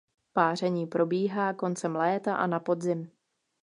Páření probíhá koncem léta a na podzim.